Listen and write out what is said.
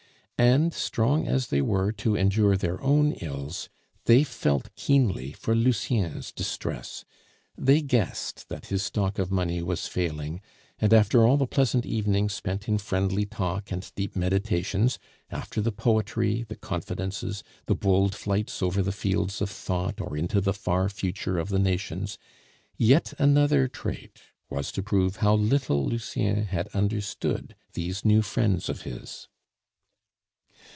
And strong as they were to endure their own ills, they felt keenly for Lucien's distress; they guessed that his stock of money was failing; and after all the pleasant evenings spent in friendly talk and deep meditations, after the poetry, the confidences, the bold flights over the fields of thought or into the far future of the nations, yet another trait was to prove how little Lucien had understood these new friends of his.